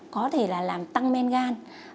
có thể là làm tăng men gan